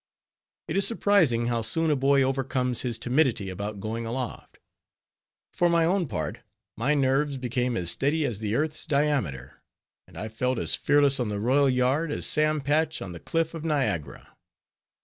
It is surprising, how soon a boy overcomes his timidity about going aloft. For my own part, my nerves became as steady as the earth's diameter, and I felt as fearless on the royal yard, as Sam Patch on the cliff of Niagara.